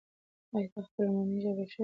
ایا ته خپله مورنۍ ژبه ښه زده کوې؟